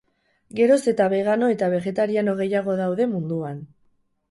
Geroz eta begano eta begetariano gehiago daude munduan.